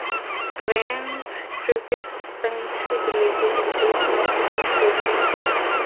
Bands previous signed to the label include Mo-Ho-Bish-O-Pi.